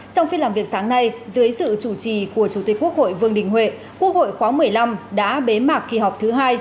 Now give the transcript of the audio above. trong phiên làm việc sáng nay dưới sự chủ trì của chủ tịch quốc hội vương đình huệ quốc hội khóa một mươi năm đã bế mạc kỳ họp thứ hai